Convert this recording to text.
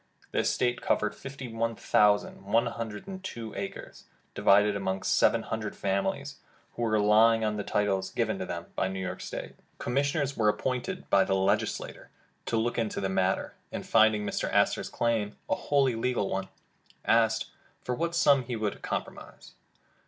The estate covered fifty one thou sand, one hundred and two acres, divided among seven hundred families, who were relying on the titles given them by the State of New York. Commissioners were appointed by the Legislature to look into the matter, and finding Mr. Astor 's claim a 241 The Original John Jacab Astor wholly legal one, asked for what sum he would compro mise.